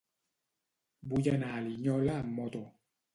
Vull anar a Linyola amb moto.